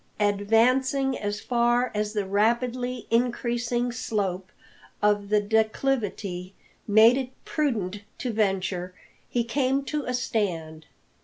Advancing as far as the rapidly increasing slope of the declivity, made it prudent to venture, he came to a stand.